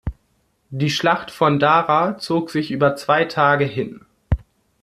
Die Schlacht von Dara zog sich über zwei Tage hin.